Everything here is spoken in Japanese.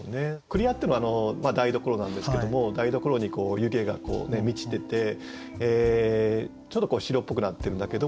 厨っていうのは台所なんですけども台所に湯気が満ちててちょっと白っぽくなってるんだけども